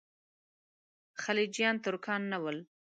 خلجیان ترکان نه ول.